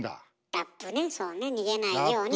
ラップねそうね逃げないようにという。